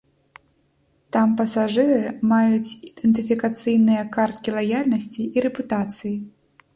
Там пасажыры маюць ідэнтыфікацыйныя карткі лаяльнасці і рэпутацыі.